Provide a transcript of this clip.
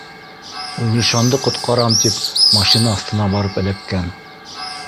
Гөлшанды ҡотҡарам тип машина аҫтына барып эләккән